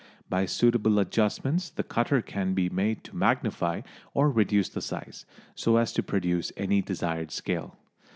By suitable adjustments the cutter can be made to magnify or reduce the size, so as to produce any desired scale.